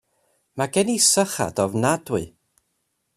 Mae gen i sychad ofnadwy.